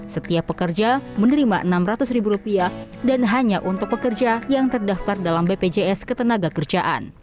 setiap pekerja menerima rp enam ratus dan hanya untuk pekerja yang terdaftar dalam bpjs ketenaga kerjaan